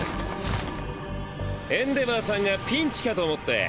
エンデヴァーさんがピンチかと思って。